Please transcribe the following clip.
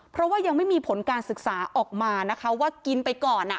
เพราะว่ายังไม่มีผลการศึกษาออกมานะคะว่ากินไปก่อน